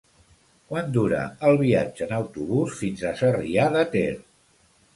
Quant dura el viatge en autobús fins a Sarrià de Ter?